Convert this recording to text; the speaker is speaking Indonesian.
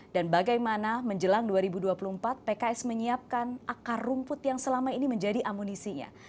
dan bagaimana menjelang dua ribu dua puluh empat pks menyiapkan akar rumput yang selama ini menjadi amunisinya